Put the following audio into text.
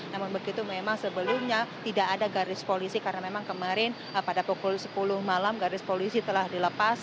namun begitu memang sebelumnya tidak ada garis polisi karena memang kemarin pada pukul sepuluh malam garis polisi telah dilepas